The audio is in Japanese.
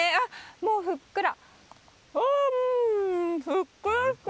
もうふっくら。